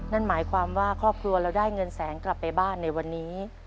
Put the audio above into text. นั่นหมายความว่าครอบครัวเราได้เงินแสนกลับไปบ้านในวันนี้